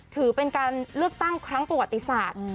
ถือเป็นการเลือกตั้งครั้งประวัติศาสตร์